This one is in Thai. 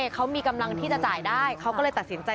เขามีกำลังที่จะจ่ายได้เขาก็เลยตัดสินใจ